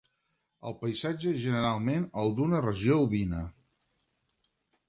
El paisatge és generalment el d"una regió ovina.